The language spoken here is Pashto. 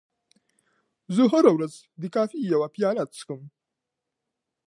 زه هره ورځ د کافي یوه پیاله څښم.